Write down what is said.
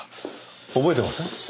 覚えてません？